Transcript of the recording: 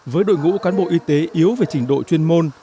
với đội ngũ cán bộ y tế yếu về trình độ chuyên môn